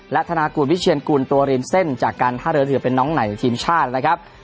และธนากุลวิเชียนกุลตัวริมเส้นจากการท่าเรือถือเป็นน้องใหม่ของทีมชาตินะครับ